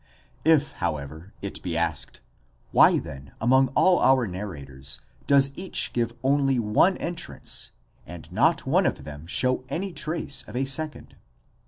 If however it be asked: why then among all our narrators, does each give only one entrance, and not one of them show any trace of a second?